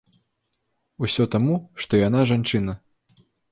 Усё таму, што яна жанчына.